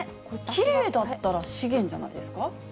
きれいだったら資源じゃないですか。